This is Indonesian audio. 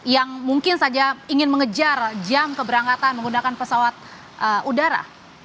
yang mungkin saja ingin mengejar jam keberangkatan menggunakan pesawat udara